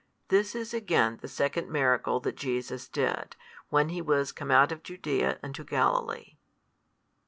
This is again the second miracle that Jesus did, when He was come out of Judaea into Galilee.